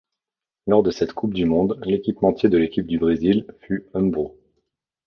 Lors de cette Coupe du monde, l'équipementier de l'équipe du Brésil fut Umbro.